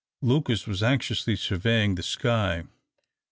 Lucas was anxiously surveying the sky.